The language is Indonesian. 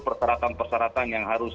persyaratan persyaratan yang harus